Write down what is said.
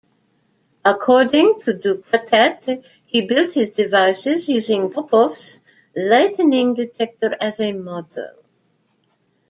According to Ducretet, he built his devices using Popov's lightning detector as a model.